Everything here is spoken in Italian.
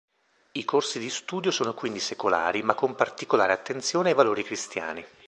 I corsi di studio sono quindi secolari ma con particolare attenzione ai valori cristiani.